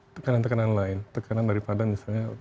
tekanan tekanan lain tekanan daripada misalnya